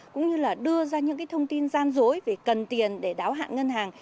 cũng như là đưa ra những thông tin gian dối về cần tiền để đáo hạn ngân hàng